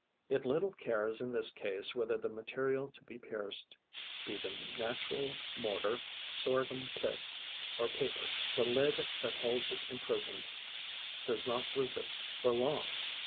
It little cares in this case whether the material to be pierced be the natural mortar, sorghum pith, or paper: the lid that holds it imprisoned does not resist for long.